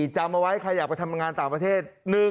จำเอาไว้ใครอยากไปทำงานต่างประเทศ